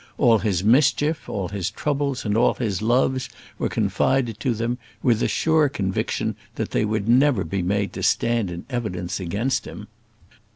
All his mischief, all his troubles, and all his loves were confided to them, with the sure conviction that they would never be made to stand in evidence against him.